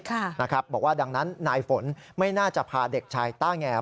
บอกว่าดังนั้นนายฝนไม่น่าจะพาเด็กชายต้าแง